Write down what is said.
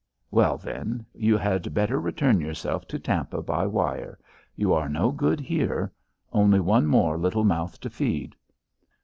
Well, then, you had better return yourself to Tampa by wire. You are no good here. Only one more little mouth to feed."